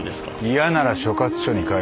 嫌なら所轄署に帰れ。